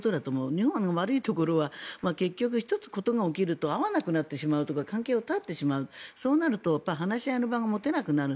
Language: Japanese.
日本の悪いところは結局１つ、ことが起きると会わなくなっちゃう関係を絶ってしまうそうなると話し合いの場が持てなくなる。